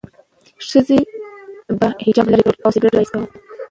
ښځې به حجاب لرې کړ او سیګرټ به څکاوه.